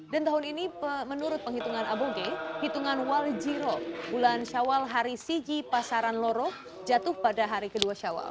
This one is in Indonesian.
dan tahun ini menurut penghitungan aboge hitungan waljiro bulan syawal hari siji pasaran loroh jatuh pada hari jawa timur